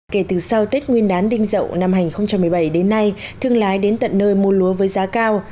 kể từ sau tết nguyên đán đinh dậu năm hai nghìn một mươi bảy đến nay thương lái đến tận nơi mua lúa với giá cao